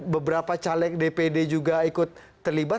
beberapa caleg dpd juga ikut terlibat